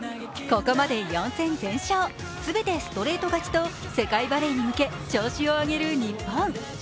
ここまで４戦全勝、全てストレート勝ちと世界バレーに向け調子を上げる日本。